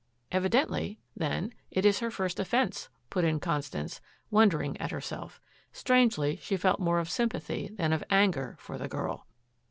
"Evidently, then, it is her first offense," put in Constance, wondering at herself. Strangely, she felt more of sympathy than of anger for the girl.